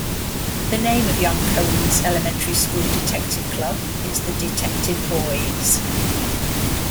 The name of young Conan's elementary school detective club is the "Detective Boys".